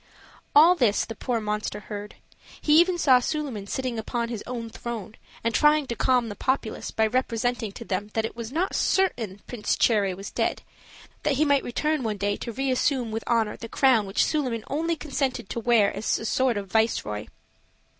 All this the poor monster heard. He even saw Suliman sitting upon his own throne and trying to calm the populace by representing to them that it was not certain Prince Cherry was dead; that he might return one day to reassume with honor the crown which Suliman only consented to wear as a sort of viceroy.